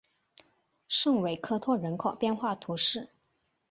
圣维克托人口变化图示